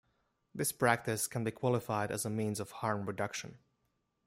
This practice can be qualified as a means of harm reduction.